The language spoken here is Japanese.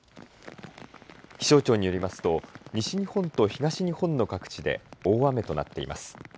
気象庁によりますと西日本と東日本の各地で大雨となっています。